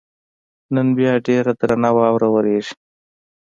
نن بیا ډېره درنه واوره ورېږي.